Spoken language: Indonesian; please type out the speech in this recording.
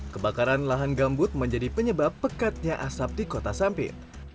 kebakaran lahan gambut menjadi penyebab pekatnya asap di kota sampit